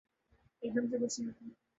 ایک دم سے کچھ نہیں ہوتا